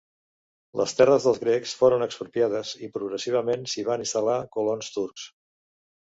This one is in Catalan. Les terres dels grecs foren expropiades i progressivament s'hi van instal·lar colons turcs.